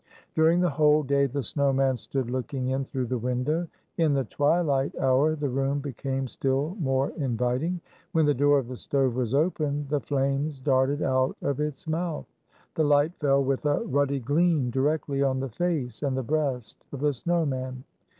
During the whole day the snow man stood looking in through the window. In the twilight hour the room became still more inviting. When the door of the stove was opened, the flames darted out of its mouth. The light fell with a ruddy gleam directly on the face and the breast of the snow man.